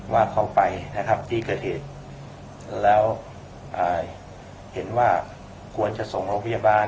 ว่าเขาไปนะครับที่เกิดเหตุแล้วเห็นว่าควรจะส่งโรงพยาบาล